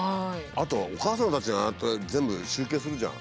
あとお母さんたちがああやって全部集計するじゃん。